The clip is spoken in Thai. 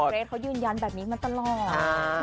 เกรทเขายืนยันแบบนี้มาตลอด